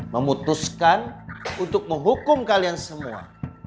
memutuskan untuk menghukum kalian semua